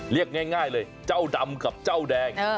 เรียกง่ายเลยเจ้าดำกับเจ้าแดง